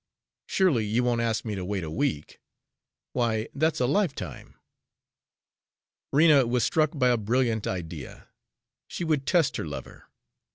Surely you won't ask me to wait a week. Why, that's a lifetime!" Rena was struck by a brilliant idea. She would test her lover.